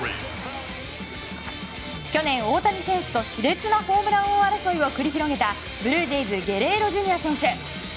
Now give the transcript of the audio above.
去年、大谷選手と熾烈なホームラン王争いを繰り広げたブルージェイズのゲレーロＪｒ．選手。